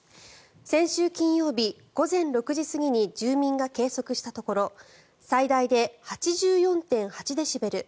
先週金曜日午前６時過ぎに住民が計測したところ最大で８４．８デシベル。